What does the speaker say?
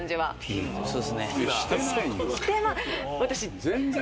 私。